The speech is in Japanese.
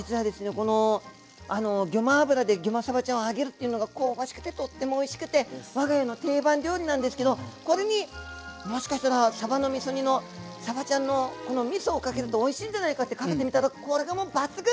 このギョマ油でギョまさばちゃんを揚げるっていうのが香ばしくてとってもおいしくてわが家の定番料理なんですけどこれにもしかしたらさばのみそ煮のさばちゃんのこのみそをかけるとおいしいんじゃないかってかけてみたらこれがもう抜群！